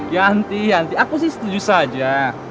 yanti yanti aku sih setuju saja